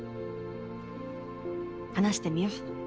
話してみよう。